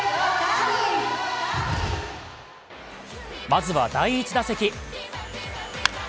まずは第１打席。